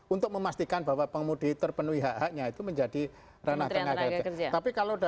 untuk memastikan bahwa pengemudi terpenuhi hak haknya itu menjadi ranah tenaga kerja